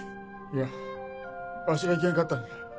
いやわしがいけんかったんじゃ。